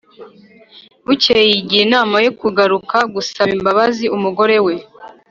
Bukeye yigira inama yo kugaruka gusaba imbabazi umugore we